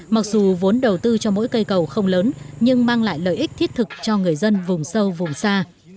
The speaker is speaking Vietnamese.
mặc dù vốn đầu tư cho mỗi cây cầu không lớn nhưng mang lại lợi ích thiết thực cho người dân vùng sâu vùng xa